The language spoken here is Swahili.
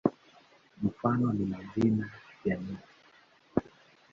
Mfano ni majina ya nyota.